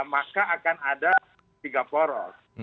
maka akan ada tiga poros